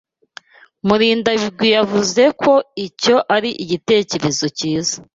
Murindabigwi yavuze ko icyo ari igitekerezo cyiza.